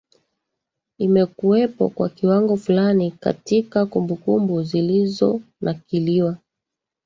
imekuwepo kwa kiwango fulani katika kumbukumbu zilizonakiliwa